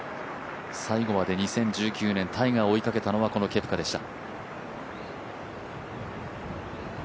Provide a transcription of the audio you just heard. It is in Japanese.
最後まで２０１９年、タイガーを追いかけたのはこのケプカでした。